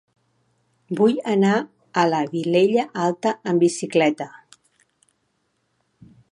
Vull anar a la Vilella Alta amb bicicleta.